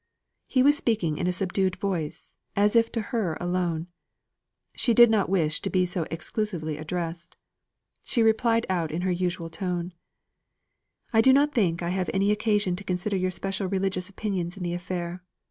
He was speaking in a subdued voice, as if to her alone. She did not wish to be so exclusively addressed. She replied out in her usual tone: "I do not think that I have any occasion to consider your special religious opinions in the affair.